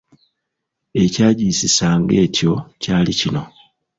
Ekyagiyisisanga etyo kyali kino